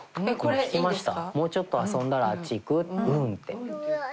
聞きました？